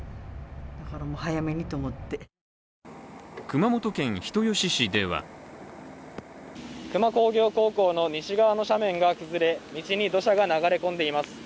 熊本県人吉市では球磨工業高校の西側の斜面が崩れ、道に土砂が流れ込んでいます。